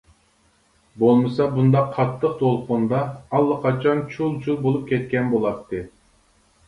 بولمىسا بۇنداق قاتتىق دولقۇندا ئاللىقاچان چۇل-چۇل بولۇپ كەتكەن بولاتتى.